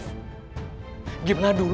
terus gimana dengan dulu